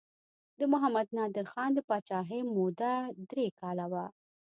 د محمد نادر خان د پاچاهۍ موده درې کاله وه.